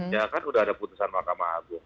ya kan udah ada putusan mahkamah agung